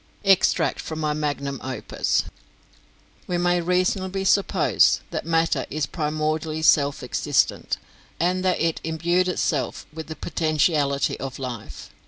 "Extract from my Magnum Opus. "We may reasonably suppose that matter is primordially self existent, and that it imbued itself with the potentiality of life.